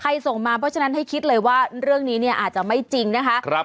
ส่งมาเพราะฉะนั้นให้คิดเลยว่าเรื่องนี้เนี่ยอาจจะไม่จริงนะคะ